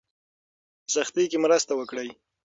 په سختۍ کې مرسته وکړئ.